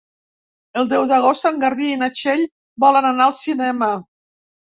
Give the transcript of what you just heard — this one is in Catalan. El deu d'agost en Garbí i na Txell volen anar al cinema.